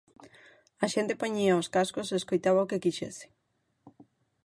A xente poñía os cascos e escoitaba o que quixese.